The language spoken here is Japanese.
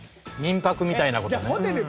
民泊みたいな事ね。